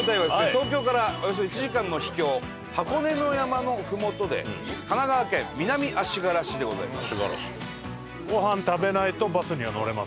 東京からおよそ１時間の秘境箱根の山のふもとで神奈川県南足柄市でございます。